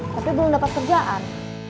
tapi belum dapat kerjaan